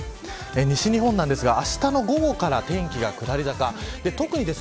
西日本なんですがあしたの午後から天気が下り坂